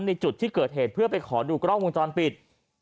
ในจุดที่เกิดเหตุเพื่อไปขอดูกล้องวงจรปิด